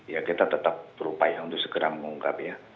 ya kita tetap berupaya untuk segera mengungkap ya